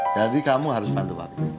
jadi kamu harus bantu papi